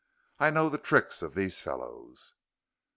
I know the tricks of these fellows."